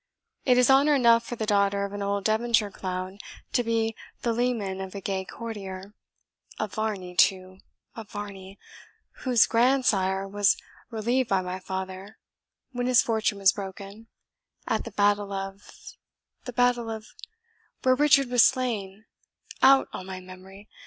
It is honour enough for the daughter of an old Devonshire clown to be the leman of a gay courtier of Varney too of Varney, whose grandsire was relieved by my father, when his fortune was broken, at the battle of the battle of where Richard was slain out on my memory!